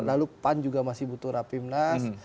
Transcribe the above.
lalu pan juga masih butuh rapimnas